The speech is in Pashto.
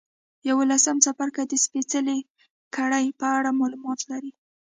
یوولسم څپرکی د سپېڅلې کړۍ په اړه معلومات لري.